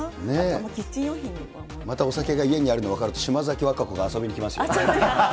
キッチン用品とかまたお酒が家にあると分かると、島崎和歌子が遊びに来ますよ。